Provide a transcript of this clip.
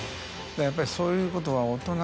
やっぱりそういうことは。